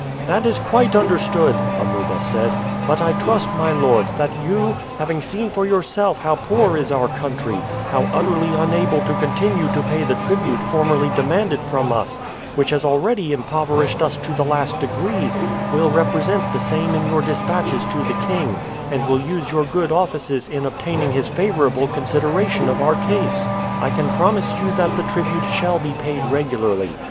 "That is quite understood," Amuba said; "but I trust, my lord, that you, having seen for yourself how poor is our country, how utterly unable to continue to pay the tribute formerly demanded from us, which has already impoverished us to the last degree, will represent the same in your dispatches to the king, and will use your good offices in obtaining his favorable consideration of our case. I can promise you that the tribute shall be paid regularly.